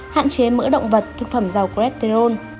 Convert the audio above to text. hạn chế mỡ động vật thực phẩm giàu cholesterol